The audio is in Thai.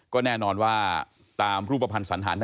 ก็แน่นอนว่าตามรูปภัณฑ์สันธาร